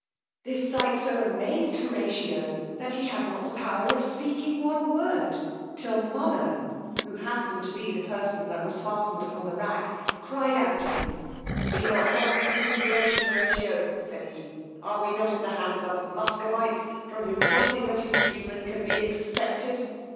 This sight so amazed Horatio, that he had not the power of speaking one word; till Mullern, who happened to be the person that was fastened upon the rack, cried out to him, Be not lost in consideration, Horatio, said he; are we not in the hands of Muscovites, from whom nothing that is human can be expected?